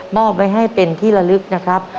อบไว้ให้เป็นที่ละลึกนะครับ